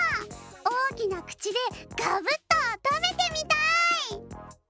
おおきなくちでガブッとたべてみたい！